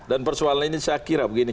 dan persoalan ini saya kira begini